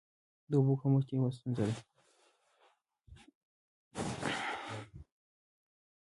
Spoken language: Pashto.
د اوبو کمښت یوه ستونزه ده.